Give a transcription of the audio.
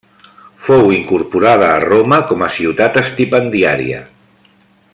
Fou incorporada a Roma com a ciutat estipendiaria.